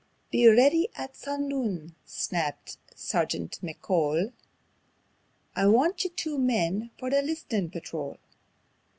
"Be ready at sundoon," snapped Sergeant McCole; "I want you two men for the List'nin' Patrol."